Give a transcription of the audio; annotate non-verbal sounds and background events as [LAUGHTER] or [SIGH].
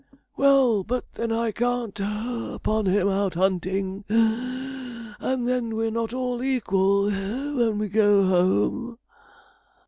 'Well, but then I can't (puff) upon him out hunting (wheeze), and then we're not all equal [GASPS] when we go home.'